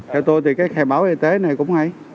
theo tôi thì cái khai báo y tế này cũng hay